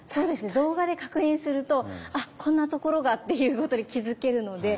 動画で確認すると「あこんなところが」っていうことに気付けるので。